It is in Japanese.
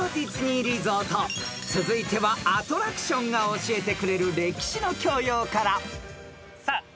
［続いてはアトラクションが教えてくれる歴史の教養から］